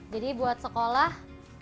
jadi buat sekolah